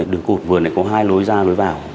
đường cụt vườn này có hai lối ra lối vào